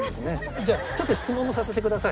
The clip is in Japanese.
じゃあちょっと質問もさせてください。